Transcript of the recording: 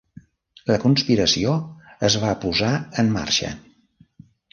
La conspiració es va posar en marxa.